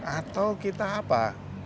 atau kita apa